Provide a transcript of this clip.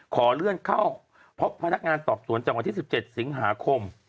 ขอเลื่อนเข้าพบพนักงานสอบสวนจากวันที่๑๗สิงหาคม